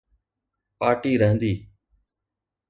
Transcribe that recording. Party رهندي.